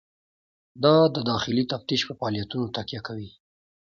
دا د داخلي تفتیش په فعالیتونو تکیه کوي.